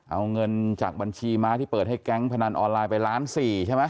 เอาเงินจากบัญชีม้าที่เปิดให้แก๊งพนันออนไลน์ไปล้านสี่ใช่ไหม